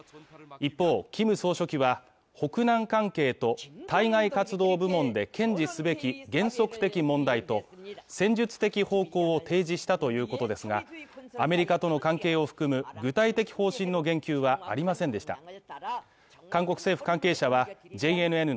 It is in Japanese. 一方、キム総書記は北南関係と対外活動部門で堅持すべき原則的問題と戦術的方向を提示したということですが、アメリカとの関係を含む具体的方針の言及はありませんでした。